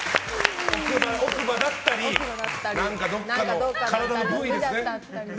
奥歯だったりどっかの体の部位ですね。